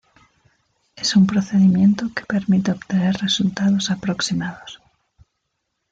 Es un procedimiento que permite obtener resultados aproximados.